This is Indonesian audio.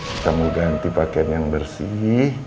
kita mau ganti pakaian yang bersih